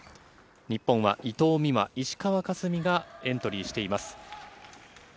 日本は伊藤美誠、石川佳純がエントリーしています。